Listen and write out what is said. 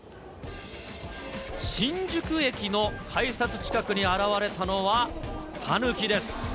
新宿駅の改札近くに現れたのはタヌキです。